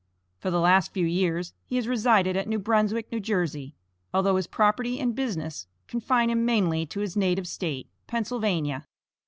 For the last few years he has resided at New Brunswick, New Jersey, although his property and business confine him mainly to his native State, Pennsylvania.